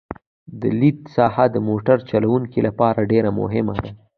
د لید ساحه د موټر چلوونکي لپاره ډېره مهمه ده